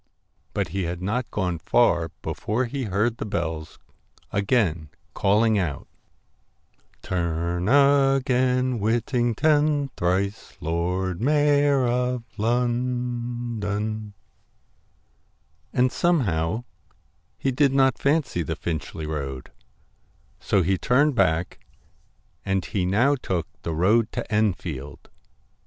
But he had not TINGTON gone far before he heard the bells again calling AND Hlb n ..*. CAT OUt ~~' Turn again, Whittington, Thrice Lord Mayor of Lon London.' And somehow, he did not fancy the Finchley road, so he turned back and he now took the road to Enfield.